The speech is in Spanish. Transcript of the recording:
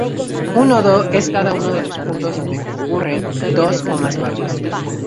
Un nodo es cada uno de los puntos donde concurren dos o más barras.